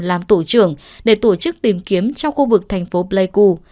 làm tổ trưởng để tổ chức tìm kiếm trong khu vực thành phố pleiku